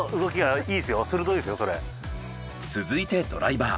続いてドライバー。